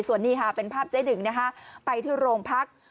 ส่วนนี้ค่ะเป็นภาพเจ๊หนึ่งนะคะไปที่โรงพัก